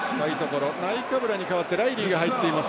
ナイカブラに代わってライリーが入っています